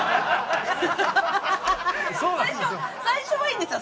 最初はいいんですよ。